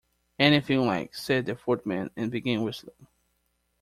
‘Anything you like,’ said the Footman, and began whistling.